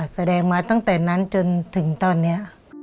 แสดงมาตั้งแต่นั้นจนถึงตอนนี้